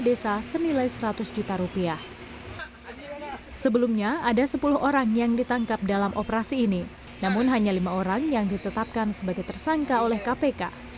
pembekasan yang ditangkap dalam operasi ini namun hanya lima orang yang ditetapkan sebagai tersangka oleh kpk